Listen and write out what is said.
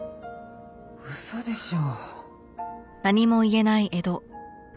嘘でしょ。